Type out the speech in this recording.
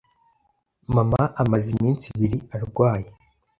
Mama amaze iminsi ibiri arwaye.